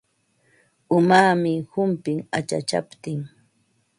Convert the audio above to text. Umaami humpin achachaptin.